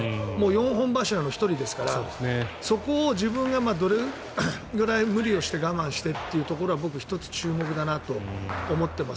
４本柱の１人ですからそこを自分がどれくらい無理をして我慢してというところが僕は１つ注目だなと思ってます。